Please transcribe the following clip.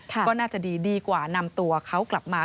ก็น่าจะดีดีกว่านำตัวเขากลับมา